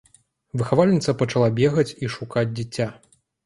Выхавальніца пачала бегаць і шукаць дзіця.